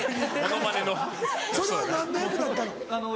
それは何の役だったの？